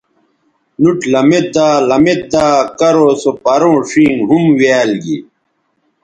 نُوٹ لمیدا لمیدا کرو سو پروں ݜینگ ھُمویال گی